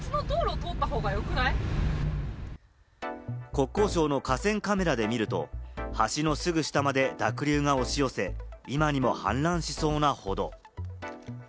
国交省の河川カメラで見ると、橋のすぐ下まで濁流が押し寄せ、今にも氾濫しそうなほど。